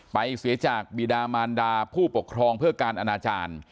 เสียจากบีดามานดาผู้ปกครองเพื่อการอนาจารย์